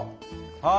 はい。